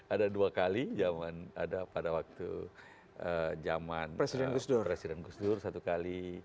ada dua kali ada pada waktu zaman presiden gus dur satu kali